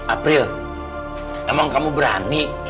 april emang kamu berani